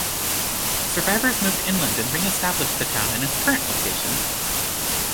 Survivors moved inland and re-established the town in its current location.